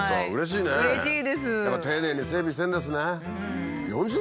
うれしいです！